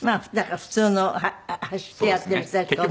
普通の走ってやってる人たちと同じように。